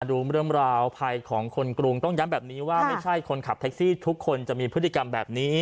ดูเรื่องราวภัยของคนกรุงต้องย้ำแบบนี้ว่าไม่ใช่คนขับแท็กซี่ทุกคนจะมีพฤติกรรมแบบนี้